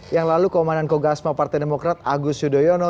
yang lalu komandan kogasma partai demokrat agus yudhoyono